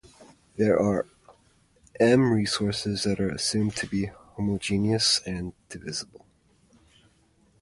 There are "m" resources that are assumed to be "homogeneous" and "divisible".